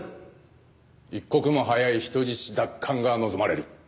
一刻も早い人質奪還が望まれる。